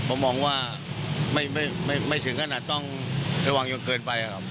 ผมมองว่าไม่ถึงขนาดต้องระวังจนเกินไปครับ